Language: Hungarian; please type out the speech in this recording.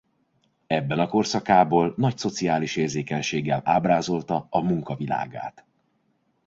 Ebben a korszakából nagy szociális érzékenységgel ábrázolta a munka világát.